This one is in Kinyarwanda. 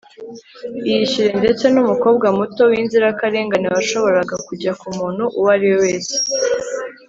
iyishyure ndetse numukobwa muto winzirakarengane washoboraga kujya kumuntu uwo ariwe wese